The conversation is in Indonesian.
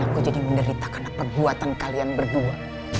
aku jadi menderita karena perbuatan kalian berdua